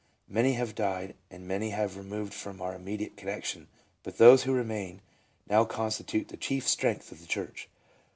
Many have died, and many have removed from our immediate connection, but those who remain, now constitute the chief strength of the church."